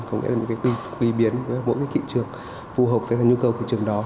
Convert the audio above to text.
có nghĩa là những cái quy biến với mỗi cái thị trường phù hợp với nhu cầu thị trường đó